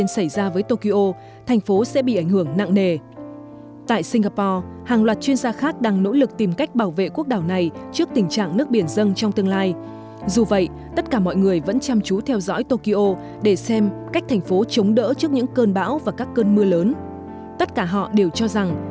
nếu một thành phố chống đỡ trước những cơn bão và các cơn mưa lớn tất cả họ đều cho rằng nếu một đất nước được chuẩn bị tốt như nhật bản còn bị ảnh hưởng nếu một thành phố như tokyo còn bị ngập thì tất cả chúng ta nên cảnh giác